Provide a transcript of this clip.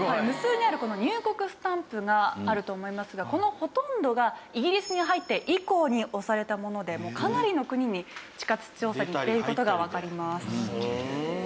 無数にあるこの入国スタンプがあると思いますがこのほとんどがイギリスに入って以降に押されたものでかなりの国に地下鉄調査に行っている事がわかります。